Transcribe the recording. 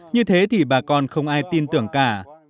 như thế thì bà con không ai tin tưởng cả